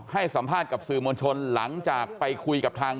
ให้สัมภาษณ์กับสื่อมวลชนหลังจากไปคุยกับทาง